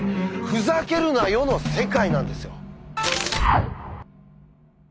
「ふざけるなよ」の世界なんですよ。